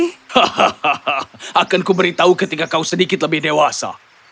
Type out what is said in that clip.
hahaha akan kuberitahu ketika kau sedikit lebih dewasa